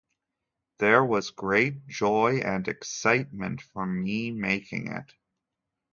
There was great joy and excitement for me making it.